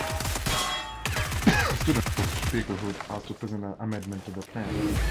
A student destined for speakerhood has to present an amendment to the plan.